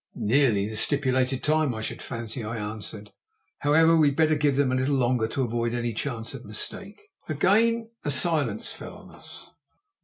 "Nearly the stipulated time, I should fancy," I answered. "However, we'd better give them a little longer, to avoid any chance of mistake." Again a silence fell on us.